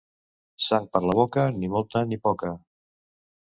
Sang per la boca, ni molta ni poca.